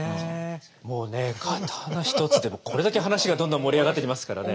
もうね刀一つでこれだけ話がどんどん盛り上がっていきますからね。